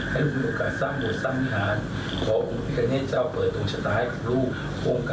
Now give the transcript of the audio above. ให้ลูกมีโอกาสสร้างโดยสร้างมิหารขออุโมพิกัณฑ์เจ้าเปิดโดงชะตาให้ลูก